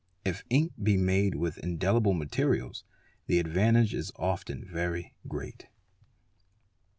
If ink be made with indelibl materials the advantage is often very great.